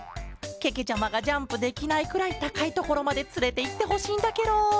けけちゃまがジャンプできないくらいたかいところまでつれていってほしいんだケロ！